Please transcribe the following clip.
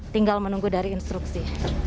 tinggal menunggu dari instruksi